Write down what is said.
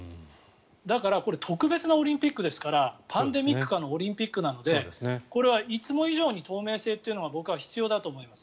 だから特別なオリンピックですからパンデミック下のオリンピックなのでこれはいつも以上に透明性というのは僕は必要だと思います。